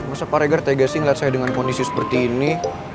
masa pak reger tege sih ngeliat saya dengan kondisi seperti ini